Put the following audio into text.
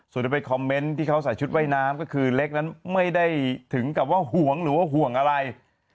ส่วนจะไปคอมเมนต์ที่เขาใส่ชุดว่ายน้ำก็คือเล็กนั้นไม่ได้ถึงกับว่าห่วงหรือว่าห่วงอะไร